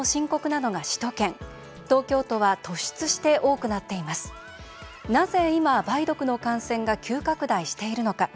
なぜ今、梅毒の感染が急拡大しているのか。